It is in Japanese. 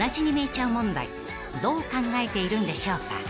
［どう考えているんでしょうか］